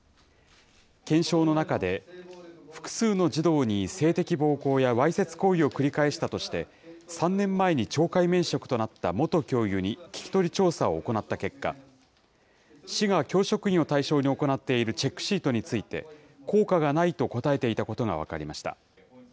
検証の中で、複数の児童に性的暴行やわいせつ行為を繰り返したとして、３年前に懲戒免職となった元教諭に聞き取り調査を行った結果、市が教職員を対象に行っているチェックシートについて、効果がないと答えていたことが分かりました。